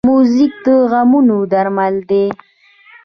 موزیک د غمونو درمل دی.